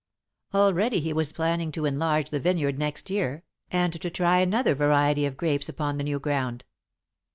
Already he was planning to enlarge the vineyard next year, and to try another variety of grapes upon the new ground.